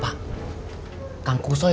bisa nggak jelas villagers diemis